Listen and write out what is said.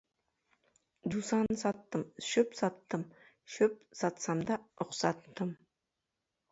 Жусан саттым, шөп саттым, шөп сатсам да, ұқсаттым.